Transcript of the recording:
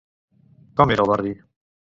Com era el barri?